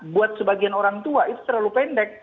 buat sebagian orang tua itu terlalu pendek